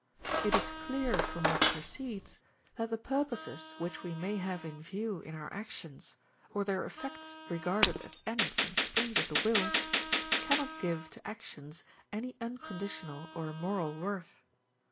It is clear from what precedes that the purposes which we may have in view in our actions, or their effects regarded as ends and springs of the will, cannot give to actions any unconditional or moral worth.